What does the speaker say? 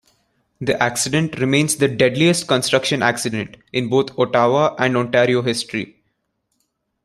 The accident remains the deadliest construction accident in both Ottawa and Ontario history.